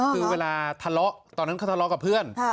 คือเวลาทะเลาะตอนนั้นเขาทะเลาะกับเพื่อน